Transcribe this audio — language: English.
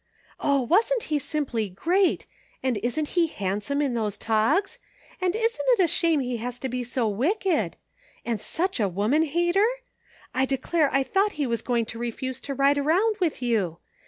" Oh, wasn't he simply great ! And isn't he hand some in those togs ? And isn't it a shame he has to be so wicked? And such a woman hater? I declare I thought he was going to refuse to ride around with you.